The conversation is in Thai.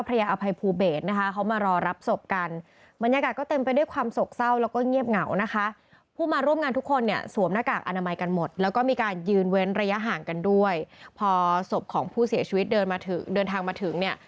พอศพของผู้เสียชีวิตเดินทางมาถึงเนี่ย